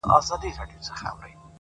د خاموش پرمختګ اغېز تل پاتې وي’